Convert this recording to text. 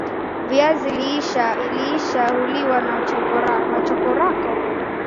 viazi lishe huliwa na nachoroko